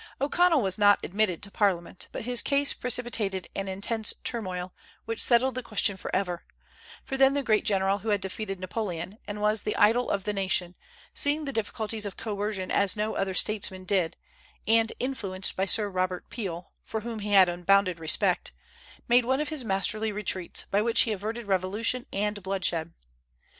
O'Connell was not admitted to Parliament; but his case precipitated an intense turmoil, which settled the question forever; for then the great general who had defeated Napoleon, and was the idol of the nation, seeing the difficulties of coercion as no other statesman did, and influenced by Sir Robert Peel (for whom he had unbounded respect), made one of his masterly retreats, by which he averted revolution and bloodshed.